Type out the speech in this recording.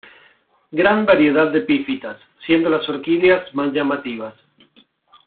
Gran variedad de epifitas, siendo las orquídeas más llamativas.